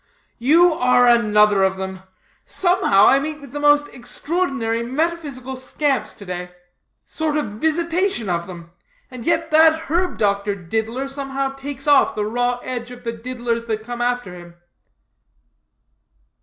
"You are another of them. Somehow I meet with the most extraordinary metaphysical scamps to day. Sort of visitation of them. And yet that herb doctor Diddler somehow takes off the raw edge of the Diddlers that come after him."